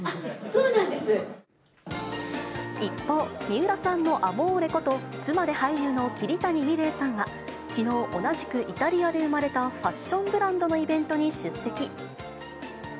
一方、三浦さんのアモーレこと、妻で俳優のきりたにみれいさんがきのう、同じくイタリアで生まれたファッションブランドのイベントに出席。